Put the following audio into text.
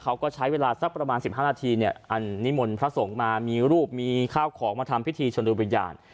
เขาก็ใช้เวลาสักประมาณ๑๕นาทีเนี่ยอันนิมนต์พระสงฆ์มามีรูปมีข้าวของมาทำพิธีชนดูวิญญาณ